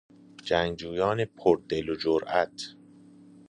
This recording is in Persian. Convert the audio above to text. جنگجویان پر دل و جرات